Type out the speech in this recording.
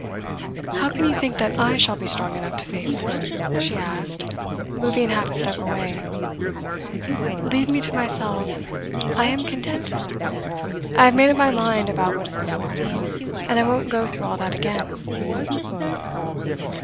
'How can you think that I shall be strong enough to face it?' she asked, moving half a step away. 'Leave me to myself; I am contented; I have made up my mind about what is before me, and I won't go through all that again.